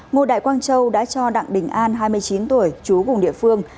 ngô đại quang châu đã cho đặng đình an hai mươi chín tuổi chú cùng địa phương